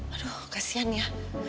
aduh kasihan ya